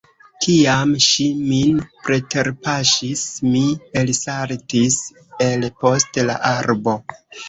Kiam ŝi min preterpaŝis mi elsaltis el post la arbo.